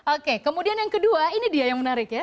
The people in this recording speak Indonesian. oke kemudian yang kedua ini dia yang menarik ya